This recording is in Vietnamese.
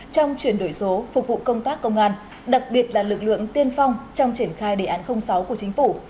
trong chuyển đổi số phục vụ công tác công an đặc biệt là lực lượng tiên phong trong triển khai đề án sáu của chính phủ